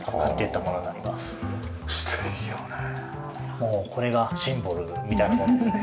もうこれがシンボルみたいなものですね。